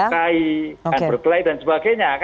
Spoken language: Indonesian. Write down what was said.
melukai berkelai dan sebagainya